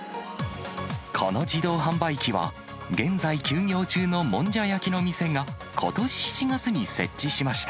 この自動販売機は、現在休業中のもんじゃ焼きの店が、ことし７月に設置しました。